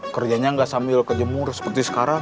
kerjanya nggak sambil kejemur seperti sekarang